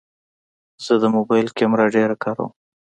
زه د موبایل کیمره ډېره کاروم.